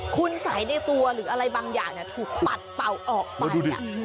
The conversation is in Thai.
คุณสัยในตัวหรืออะไรบางอย่างถูกปัดเป่าออกไป